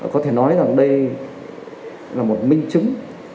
có thể nói rằng đây là một minh chứng